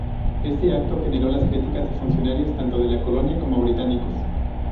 Este acto generó las críticas de funcionarios tanto de la colonia como británicos.